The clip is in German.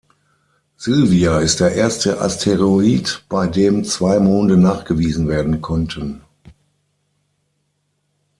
Sylvia ist der erste Asteroid, bei dem zwei Monde nachgewiesen werden konnten.